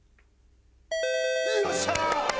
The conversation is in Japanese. よっしゃー！